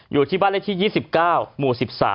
อยู่ที่บ้านเลขที่๒๙หมู่๑๓